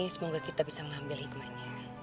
semoga kita bisa mengambil hikmahnya